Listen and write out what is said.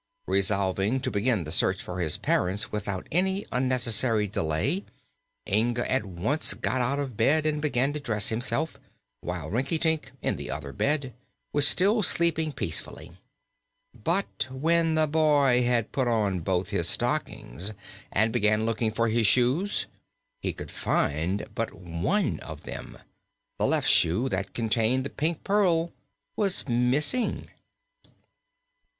Resolving to begin the search for his parents without any unnecessary delay, Inga at once got out of bed and began to dress himself, while Rinkitink, in the other bed, was still sleeping peacefully. But when the boy had put on both his stockings and began looking for his shoes, he could find but one of them. The left shoe, that containing the Pink Pearl, was missing.